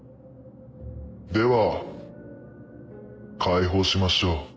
では解放しましょう。